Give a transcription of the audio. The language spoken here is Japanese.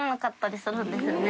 するんですよね。